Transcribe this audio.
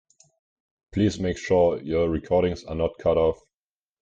Please make sure your recordings are not cut off.